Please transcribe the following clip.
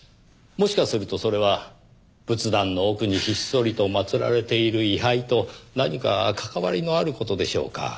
もしかするとそれは仏壇の奥にひっそりと祭られている位牌と何か関わりのある事でしょうか？